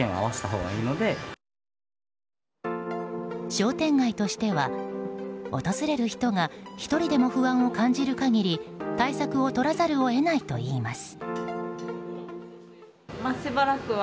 商店街としては、訪れる人が１人でも不安を感じる限り対策をとらざるを得ないといいます。